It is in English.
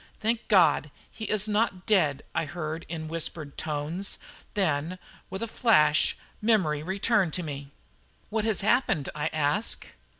"Thank God, he is not dead," I heard in whispered tones. Then, with a flash, memory returned to me. "What has happened?" I asked.